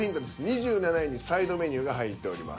２７位にサイドメニューが入っております。